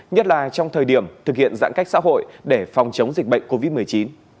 nhất là trong thời điểm thực hiện giãn cách xã hội để phòng chống dịch bệnh covid một mươi chín